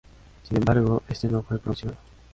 Sin embargo este no fue promocionado.